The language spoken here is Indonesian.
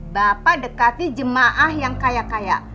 bapak dekati jemaah yang kaya kaya